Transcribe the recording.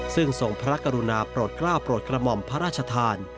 ซึ่งทรงพระกรุณาโปรดกล้าวโปรดกระหม่อมพระราชทาน